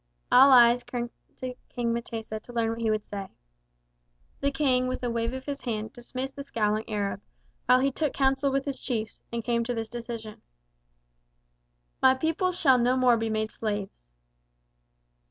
All eyes turned to King M'tesa to learn what he would say. The King with a wave of his hand dismissed the scowling Arab, while he took counsel with his chiefs, and came to this decision: "My people shall no more be made slaves."